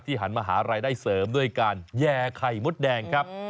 หันมาหารายได้เสริมด้วยการแย่ไข่มดแดงครับ